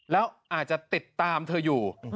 แล้วอาจจะติดตามเธออยู่